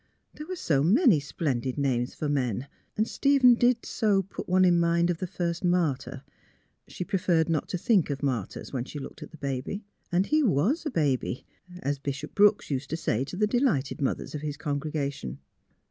There were so many splendid names for men, and Stephen did so put one in mind of the first martyr. She preferred not to think of martyrs when she looked at the baby. And he teas a baby, as Bishop Brooks used to say to the delighted mothers of his con gregation.